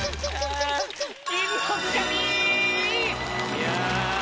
いや。